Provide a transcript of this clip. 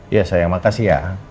ya sayang makasih ya